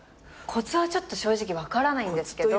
コツはちょっと正直分からないんですけど。